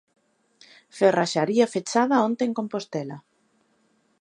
Ferraxaría fechada onte en Compostela.